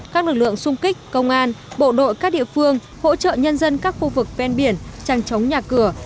các lực lượng xung kích công an bộ đội các địa phương hỗ trợ nhân dân các khu vực ven biển trăng chống nhà cửa